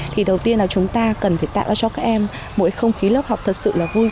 thì đầu tiên là chúng ta cần phải tạo ra cho các em mỗi không khí lớp học thật sự là vui